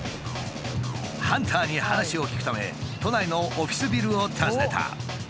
ハンターに話を聞くため都内のオフィスビルを訪ねた。